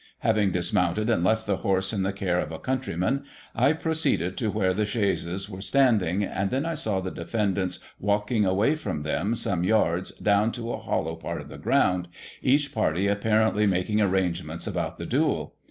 Having dismounted, and left the horse in the care of a countryman, I proceeded to where the chaises were standing, and then I saw the defendants walking away, from them, some yards down, to a hollow part of the ground, each party apparently making arrangements about the duel.